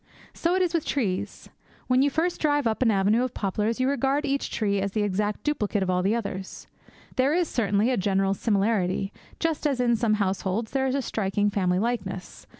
So is it with trees. When you first drive up an avenue of poplars you regard each tree as the exact duplicate of all the others. There is certainly a general similarity, just as, in some households, there is a striking family likeness.